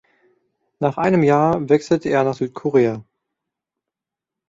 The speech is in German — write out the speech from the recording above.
Nach einem Jahr wechselte er nach Südkorea.